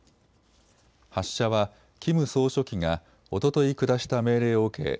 発射はキム総書記がおととい下した命令を受け